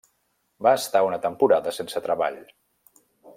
Va estar una temporada sense treball.